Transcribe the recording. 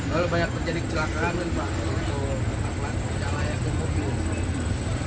kalau banyak terjadi kecelakaan laluan